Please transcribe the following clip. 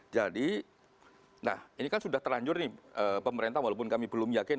jadi nah ini kan sudah terlanjur nih pemerintah walaupun kami belum yakin